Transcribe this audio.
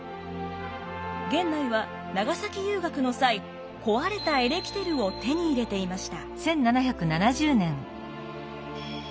源内は長崎遊学の際壊れたエレキテルを手に入れていました。